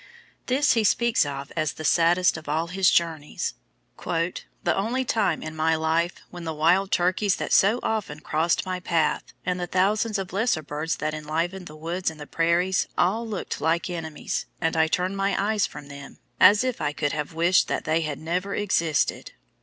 This he speaks of as the saddest of all his journeys "the only time in my life when the wild turkeys that so often crossed my path, and the thousands of lesser birds that enlivened the woods and the prairies, all looked like enemies, and I turned my eyes from them, as if I could have wished that they had never existed."